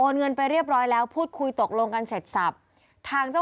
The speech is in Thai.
ใช่ไม่ตรวจสอบนะ